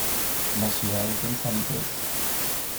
Las ciudades del salitres.